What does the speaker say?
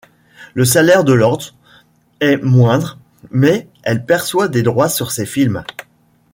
Le salaire de Lords est moindre mais elle perçoit des droits sur ses films.